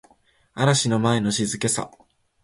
嵐の前の静けさ